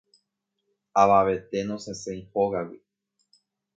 Avavete nosẽséi hógagui.